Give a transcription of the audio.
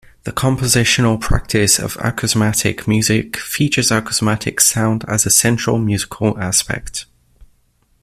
The compositional practice of acousmatic music features acousmatic sound as a central musical aspect.